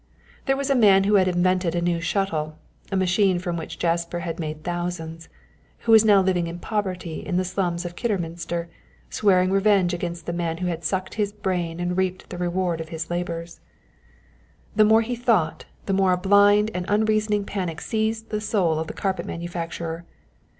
There was a man who had invented a new shuttle (a machine from which Jasper had made thousands), who was now living in poverty in the slums of Kidderminster, swearing revenge against the man who had sucked his brain and reaped the reward of his labours. The more he thought, the more a blind and unreasoning panic seized the soul of the carpet manufacturer.